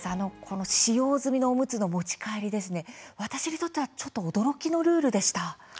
この使用済みのおむつの持ち帰り私にとってはちょっと驚きのルールでした。